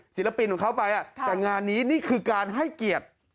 ศิลปินของเขาไปแต่งานนี้นี่คือการให้เกียรติ